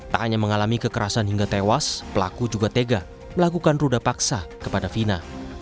tak hanya mengalami kekerasan hingga tewas pelaku juga tega melakukan ruda paksa kepada fina